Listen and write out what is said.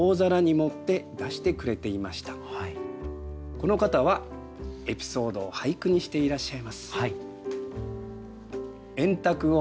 この方はエピソードを俳句にしていらっしゃいます。